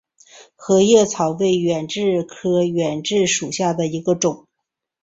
合叶草为远志科远志属下的一个种。